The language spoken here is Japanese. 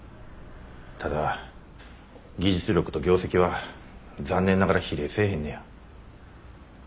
ただ技術力と業績は残念ながら比例せえへんのや。